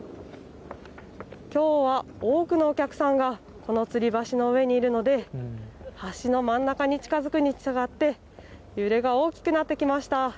きょうは多くのお客さんがこのつり橋の上にいるので橋の真ん中に近づくにつれて揺れが大きくなってきました。